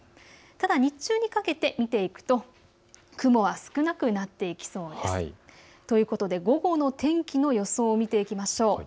日中にかけて見ていくと雲は少なくなっていきそうです。ということで午後の天気の予想を見ていきましょう。